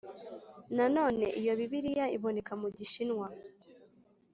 Nanone iyo Bibiliya iboneka mugishinwa